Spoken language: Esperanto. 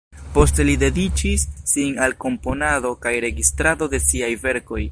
Poste li dediĉis sin al komponado kaj registrado de siaj verkoj.